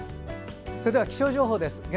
それでは気象情報です。